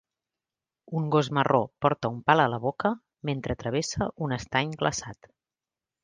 Un gos marró porta un pal a la boca mentre travessa un estany glaçat.